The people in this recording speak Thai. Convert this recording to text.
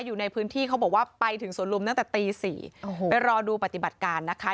อยู่ในพื้นที่เขาบอกว่าไปถึงสวนลุมตั้งแต่ตีสี่โอ้โหไปรอดูปฏิบัติการนะคะ